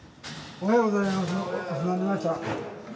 おはようございます。